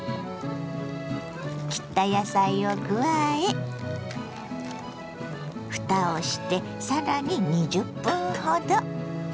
切った野菜を加えふたをしてさらに２０分ほど。